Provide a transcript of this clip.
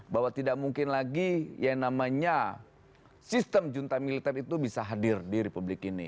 bahwa tidak mungkin lagi yang namanya sistem junta militer itu bisa hadir di republik ini